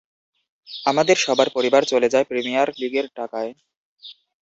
আমাদের সবার পরিবার চলে প্রিমিয়ার লিগের টাকায়।